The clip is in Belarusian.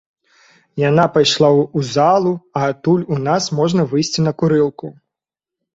Яна пайшла ў залу, а адтуль у нас можна выйсці на курылку.